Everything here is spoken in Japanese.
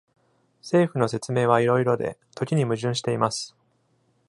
政府の説明は色々で、時に矛盾しています。